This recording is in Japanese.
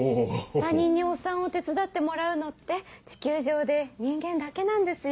他人にお産を手伝ってもらうのって地球上で人間だけなんですよ。